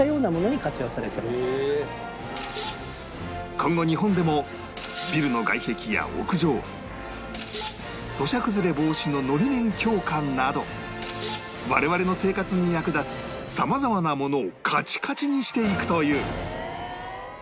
今後日本でもビルの外壁や屋上土砂崩れ防止の法面強化など我々の生活に役立つさまざまなものをカチカチにしていくという